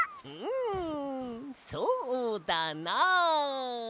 んそうだな。